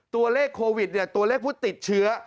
ตัวเลขโควิดตัวเลขผู้ติดเชื้อ